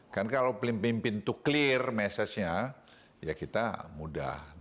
kan kalau pimpin pimpin itu clear messagenya ya kita mudah